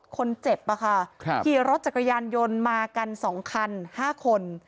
คนเจ็บอ่ะค่ะขี่รถจักรยานยนต์มากันสองคันห้าคน